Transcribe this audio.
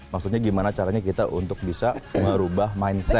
maksudnya gimana caranya kita untuk bisa merubah mindset